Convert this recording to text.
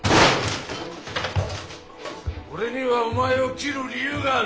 俺にはお前を斬る理由がある。